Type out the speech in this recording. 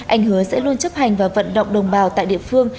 anh hứa sẽ luôn chấp hành và vận động đồng bào tại địa phương